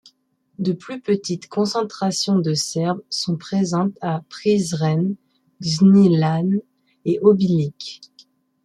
De plus petites concentrations de Serbes sont présentes à Prizren, Gnjilane et Obilić.